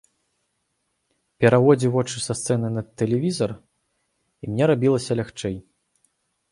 Пераводзіў вочы са сцэны на тэлевізар, і мне рабілася лягчэй.